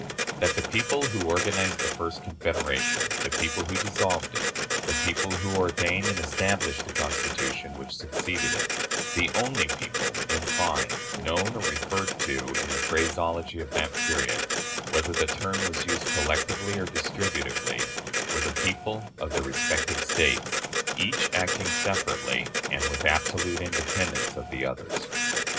That the "people" who organized the first confederation, the people who dissolved it, the people who ordained and established the Constitution which succeeded it, the only people, in fine, known or referred to in the phraseology of that period whether the term was used collectively or distributively were the people of the respective States, each acting separately and with absolute independence of the others.